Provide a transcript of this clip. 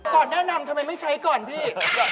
แนะนำทำไมไม่ใช้ก่อนพี่